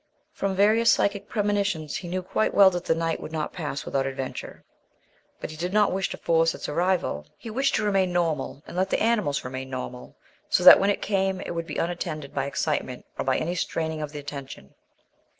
From various psychic premonitions he knew quite well that the night would not pass without adventure; but he did not wish to force its arrival; and he wished to remain normal, and let the animals remain normal, so that, when it came, it would be unattended by excitement or by any straining of the attention.